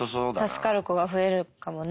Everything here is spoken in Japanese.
助かる子が増えるかもね。